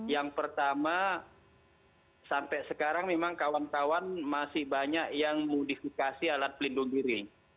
yang pertama sampai sekarang memang kawan kawan masih banyak yang modifikasi alat pelindung diri